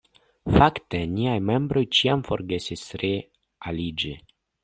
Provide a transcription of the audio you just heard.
Fakte niaj membroj ĉiam forgesis re-aliĝi.